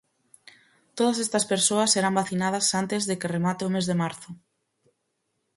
Todas estas persoas serán vacinadas antes de que remate o mes de marzo.